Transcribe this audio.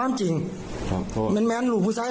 ไม่เงี๊ยดกูไม่กลูกินสิ